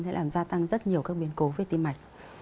thế làm gia tăng rất nhiều các biến cố với tim mạch